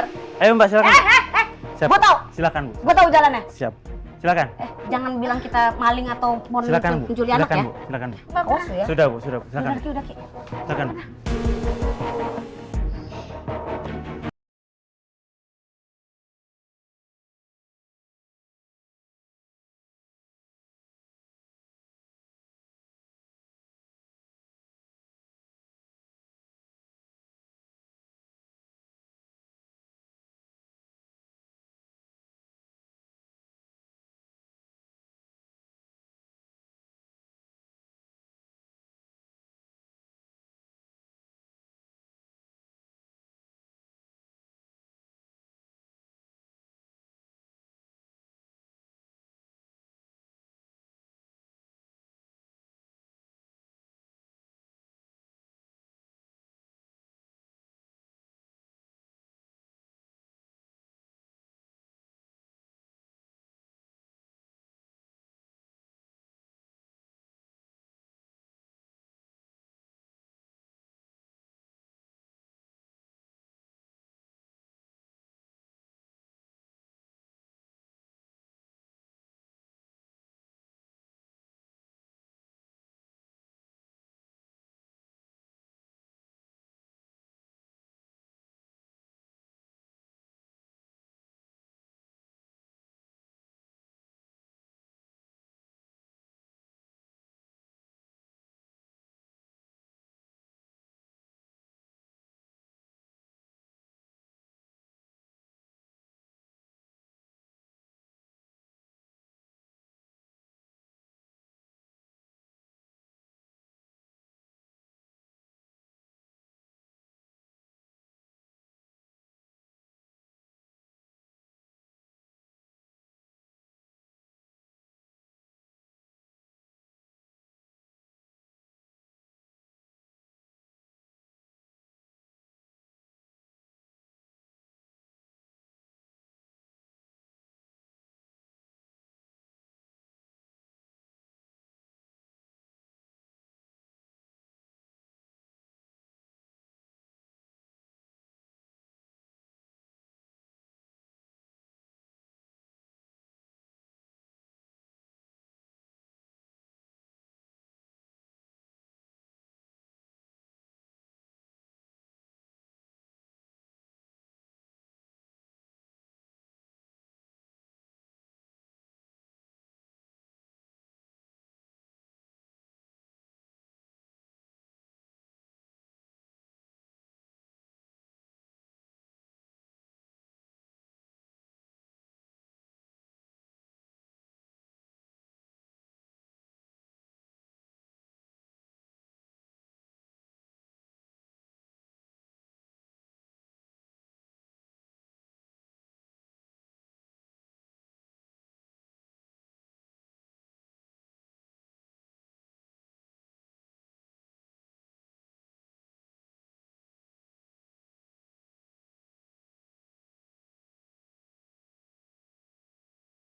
eh mbak mbak enggak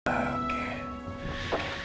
enggak